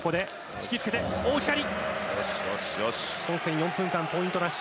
両者４分間ポイントなし。